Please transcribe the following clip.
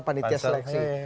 dari proses seleksi